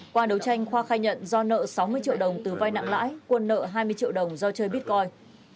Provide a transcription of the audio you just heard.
qua đấu tranh khoa khai nhận do nợ sáu mươi triệu đồng từ vai nặng lãi quân nợ hai mươi triệu đồng do chơi bitcoin